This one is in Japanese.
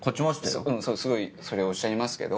すごいそれをおっしゃいますけど。